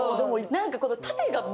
何かこの。